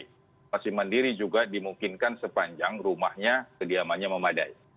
isolasi mandiri juga dimungkinkan sepanjang rumahnya kediamannya memadai